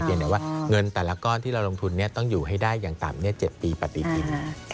ว่าเงินแต่ละก้อนที่เราลงทุนต้องอยู่ให้ได้อย่างต่ำ๗ปีปฏิทิน